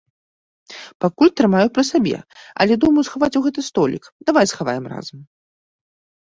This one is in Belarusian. Пакуль трымаю пры сабе, але думаю схаваць у гэты столік, давай схаваем разам.